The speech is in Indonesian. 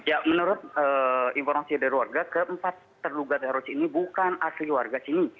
ya menurut informasi dari warga keempat terduga teroris ini bukan asli warga sini